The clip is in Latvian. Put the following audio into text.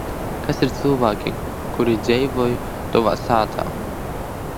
Kas ir cilvēki, kuri dzīvo tavā mājā?